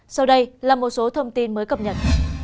sau đây là một số thông tin mới cập nhật